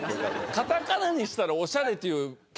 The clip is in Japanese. カタカナにしたらオシャレっていう。